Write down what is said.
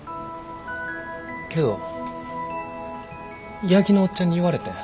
けど八木のおっちゃんに言われてん。